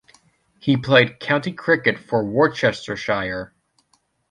He played county cricket for Worcestershire.